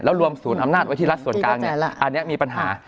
รวมศูนย์อำนาจไว้ที่รัฐส่วนกลางเนี่ยอันนี้มีปัญหา